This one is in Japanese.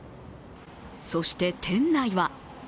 そして、店内は？